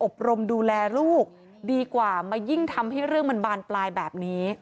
รมดูแลลูกดีกว่ามายิ่งทำให้เรื่องมันบานปลายแบบนี้